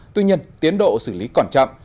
tuy nhiên tiến độ xử lý còn chậm